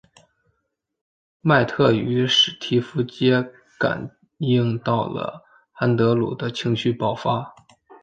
麦特与史提夫皆感应到了安德鲁的情绪爆发。